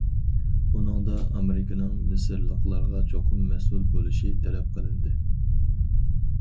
ئۇنىڭدا ئامېرىكىنىڭ مىسىرلىقلارغا چوقۇم مەسئۇل بولۇش تەلەپ قىلىندى.